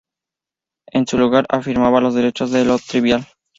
En su lugar, afirmaba los derechos de lo trivial.